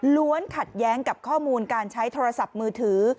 ขัดแย้งกับข้อมูลการใช้โทรศัพท์มือถือ